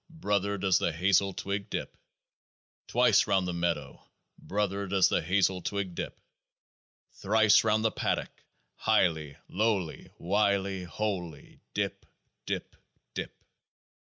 Brother, does the hazel twig dip? Twice round the orchard. Brother, does the hazel twig dip? Thrice round the paddock. Highly, lowly, wily, holy, dip, dip, dip